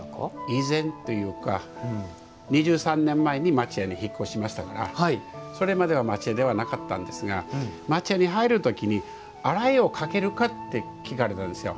以前というか２３年前に町家に引っ越しましたからそれまでは町家ではなかったんですが町家に入る時に洗いをかけるかって聞かれたんですよ。